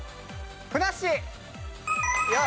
ふなっしー！